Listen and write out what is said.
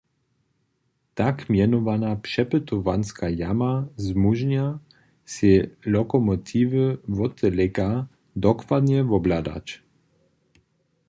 Tak mjenowana přepytowanska jama zmóžnja, sej lokomotiwy wotdeleka dokładnje wobhladać.